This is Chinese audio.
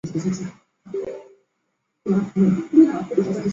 但周日请注意交通堵塞情况。